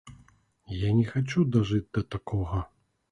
Я не хачу дажыць да такога.